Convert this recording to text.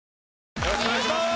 よろしくお願いします！